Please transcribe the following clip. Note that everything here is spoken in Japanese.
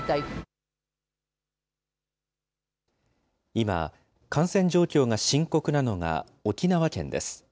今、感染状況が深刻なのが沖縄県です。